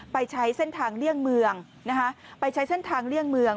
ไปใช้เส้นทางเลี่ยงเมืองนะคะไปใช้เส้นทางเลี่ยงเมือง